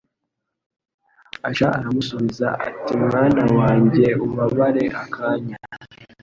Aca aramusubiza ati Mwana wanjye ubabare akanya